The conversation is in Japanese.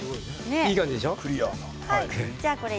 いい感じでしょう？